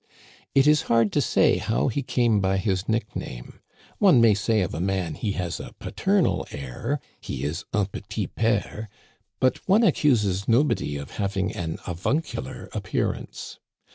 It is hard to say how he came by his nickname. One may say of a man, he has a pa ternal air, he is un petit père ; but one accuses nobody of having an avuncular appearance.